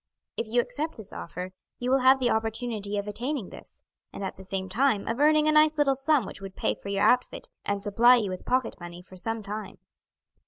If you accept this offer you will have the opportunity of attaining this, and at the same time of earning a nice little sum which would pay for your outfit and supply you with pocket money for some time."